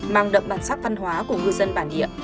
mang đậm bản sắc văn hóa của ngư dân bản địa